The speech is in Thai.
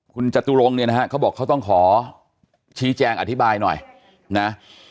คุณจตุรงค์เนี่ยนะฮะเขาบอกเขาต้องขอชี้แจงอธิบายหน่อยนะ